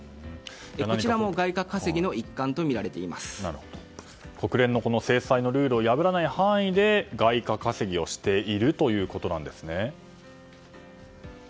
こちらも外貨稼ぎの一環と国連の制裁のルールを破らない範囲で外貨稼ぎをしているということなんですね。